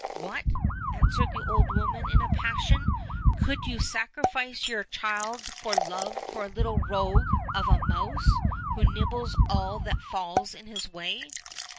"What!" answered the old woman in a passion, "could you sacrifice your child for love of a little rogue of a OLD, OLD FAIRY TALES. mouse, who nibbles all that falls in his way?